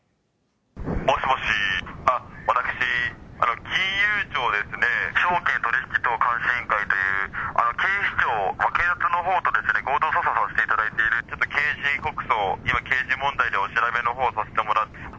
もしもし、私、金融庁ですね、証券取引等監視委員会という、警視庁、警察のほうと合同捜査をさせていただいている、ちょっと刑事告訴、今、刑事問題でお調べのほうをさせてもらっています。